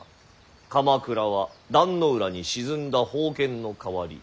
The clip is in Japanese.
鎌倉は壇ノ浦に沈んだ宝剣の代わり。